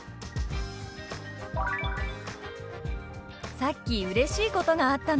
「さっきうれしいことがあったの」。